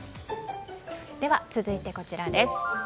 では続いて、こちらです。